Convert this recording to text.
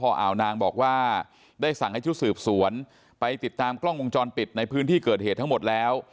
พออาวนางบอกว่าได้สั่งให้ชุดสืบสวนไปติดตามกล้องวงจรปิดในพื้นที่เกิดเหตุทั้งหมดแล้ว